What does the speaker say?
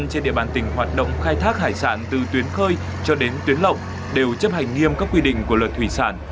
các bản tình hoạt động khai thác hải sản từ tuyến khơi cho đến tuyến lộng đều chấp hành nghiêm các quy định của luật thủy sản